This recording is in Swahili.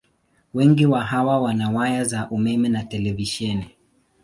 Wengi wa hawa wana waya za umeme na televisheni.